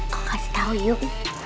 kau kasih tau yuk